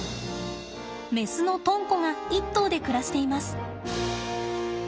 メスのとんこが１頭で暮らしています。